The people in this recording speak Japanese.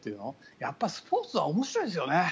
やっぱりスポーツは面白いですよね。